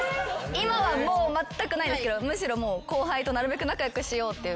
今はもうまったくないですけどむしろ後輩となるべく仲良くしようっていう。